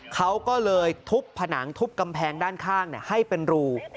เขาก็เลยทุบผนังทุบกำแพงด้านข้างให้เป็นรู